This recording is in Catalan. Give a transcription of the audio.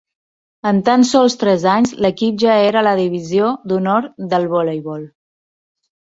En tan sols tres anys l’equip ja era a la Divisió d’Honor del Voleibol.